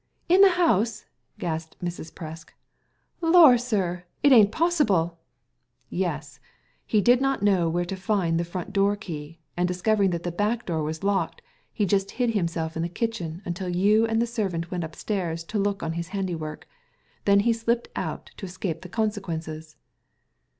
" In the house !^" gasped Mrs. Presk. " Lor, sir ! it ain't possible." " Yes ! he did not know where to find the front door key ; and discovering that the back door was locked, he just hid himself in the kitchen until you and the servant went upstairs to look on his handi work. Then he slipped out to escape the conse quences."